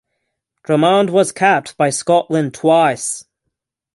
Drummond was capped by Scotland twice.